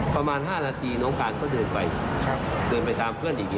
ประมาณ๕นาทีน้องการก็เดินไปเดินไปตามเพื่อนอีก